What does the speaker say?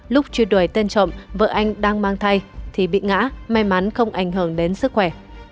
lúc truy đuổi tên trộm vợ anh đang mang thai thì bị ngã may mắn không ảnh hưởng đến sức khỏe